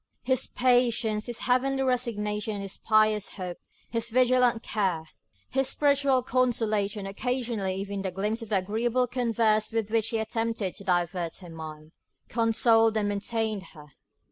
His patience, his heavenly resignation, his pious hope, his vigilant care, his spiritual consolation, occasionally even the gleams of agreeable converse with which he attempted to divert her mind, consoled and maintained her.